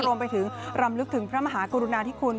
รวมไปถึงรำลึกถึงพระมหากรุณาธิคุณ